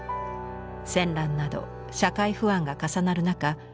戦乱など社会不安が重なる中